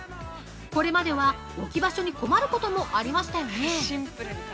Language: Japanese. これまでは置き場所に困ることもありましたよね。